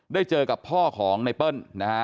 ได้เจอกับพ่อของไนเปิ้ลนะฮะ